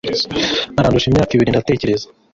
arandusha imyaka ibiri, ndatekereza.